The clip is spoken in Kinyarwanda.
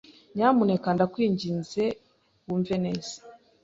Nyamuneka ndakwinginze wumve neza.